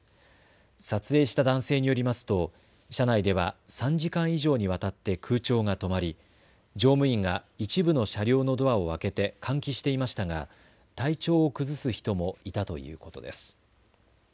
撮影した男性によりますと車内では３時間以上にわたって空調が止まり乗務員が一部の車両のドアを開けて換気していましたが体調を崩す人もいたということです。